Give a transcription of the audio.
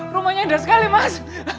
rumahnya indah sekali mas